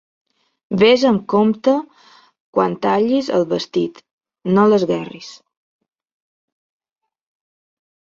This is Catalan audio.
Ves amb compte, quan tallis el vestit: no l'esguerris.